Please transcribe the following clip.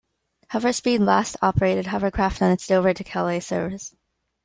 Hoverspeed last operated hovercraft on its Dover to Calais service.